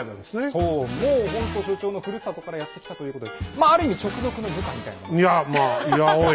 そうもうほんと所長のふるさとからやって来たということでまあある意味直属の部下みたいなことです。